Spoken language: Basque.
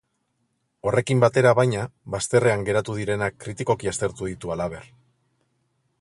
Horrekin batera, baina, bazterrean geratu direnak kritikoki aztertu ditu halaber.